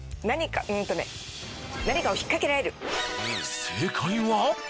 何かを引っかけられる。